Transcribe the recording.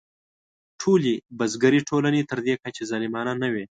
ټولې بزګري ټولنې تر دې کچې ظالمانه نه وې.